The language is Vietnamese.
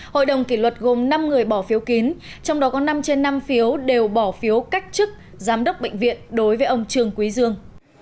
hội đồng kỷ luật gồm năm người bỏ phiếu kín trong đó có năm trên năm phiếu đều bỏ phiếu cách chức giám đốc bệnh viện đối với ông trương quý dương